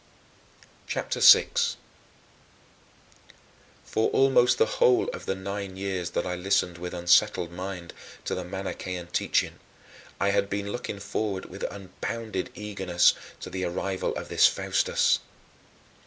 CHAPTER VI 10. For almost the whole of the nine years that I listened with unsettled mind to the Manichean teaching I had been looking forward with unbounded eagerness to the arrival of this Faustus.